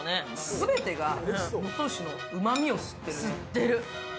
すべてが能登牛のうまみを吸ってるね。